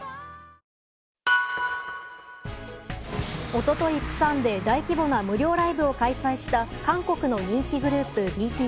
一昨日、釜山で大規模な無料ライブを開催した韓国の人気グループＢＴＳ。